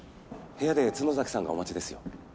部屋で角崎さんがお待ちですよ。